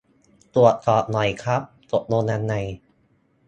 ตรวจสอบหน่อยครับ ตกลงยังไง